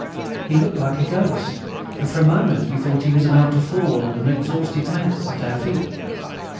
He looked like a ghost, and for a moment we thought he was about to fall, an exhausted mass, at our feet.